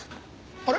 あれ？